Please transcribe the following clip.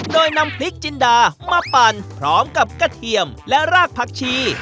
โดยนำพริกจินดามาปั่นพร้อมกับกระเทียมและรากผักชี